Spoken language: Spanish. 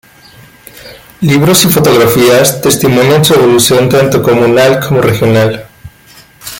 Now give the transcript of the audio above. Libros y fotografías testimonian su evolución tanto comunal como regional.